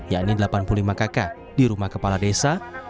yakni delapan puluh lima kakak di rumah kepala desa